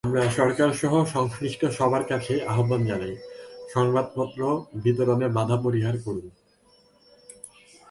আমরা সরকারসহ সংশ্লিষ্ট সবার কাছে আহ্বান জানাই, সংবাদপত্র বিতরণে বাধা পরিহার করুন।